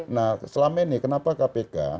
nah selama ini kenapa kpk